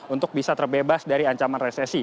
untuk bisa terbebas dari ancaman resesi